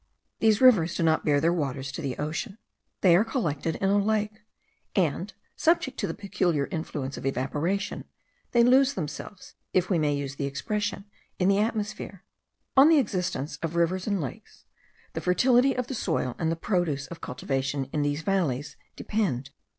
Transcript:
These rivers do not bear their waters to the ocean; they are collected in a lake; and subject to the peculiar influence of evaporation, they lose themselves, if we may use the expression, in the atmosphere. On the existence of rivers and lakes, the fertility of the soil and the produce of cultivation in these valleys depend.